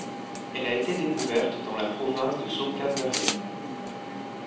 Elle a été découverte dans la province de Sourkhan-Daria.